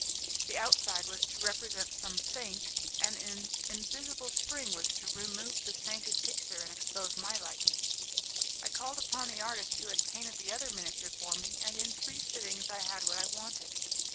The outside was to represent some saint, and an invisible spring was to remove the sainted picture and expose my likeness. I called upon the artist who had painted the other miniature for me, and in three sittings I had what I wanted.